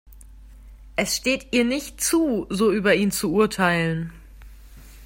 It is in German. Es steht ihr nicht zu, so über ihn zu urteilen.